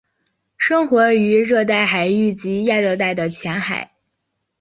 生活于热带海域及亚热带的浅海。